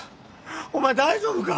お前大丈夫か！？